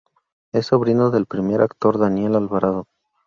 Es sobrino del primer actor Daniel Alvarado.